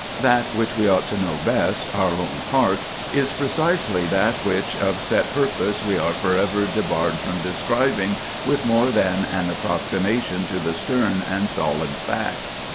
That which we ought to know best—our own heart—is precisely that which of set purpose we are forever debarred from describing with more than an approximation to the stern and solid fact.